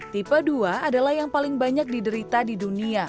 tipe dua adalah yang paling banyak diderita di dunia